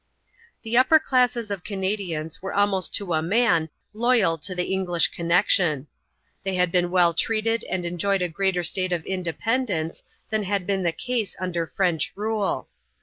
The upper classes of Canadians were almost to a man loyal to the English connection. They had been well treated and enjoyed a greater state of independence than had been the case under French rule.